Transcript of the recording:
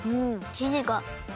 きじが。